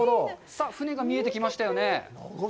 さあ、船が見えてきましたよね。